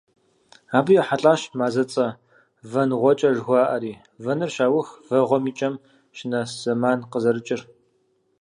Абы ехьэлӀащ мазэцӀэ - ВэнгъуэкӀэ жыхуаӀэри: вэныр щаух, вэгъуэм и кӀэм щынэс зэман къызэрыкӀыр.